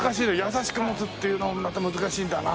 優しく持つっていうのはまた難しいんだな。